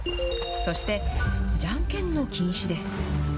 そして、じゃんけんの禁止です。